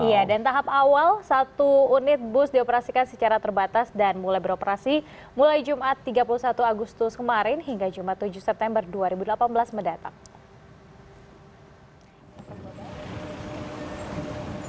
iya dan tahap awal satu unit bus dioperasikan secara terbatas dan mulai beroperasi mulai jumat tiga puluh satu agustus kemarin hingga jumat tujuh september dua ribu delapan belas mendatang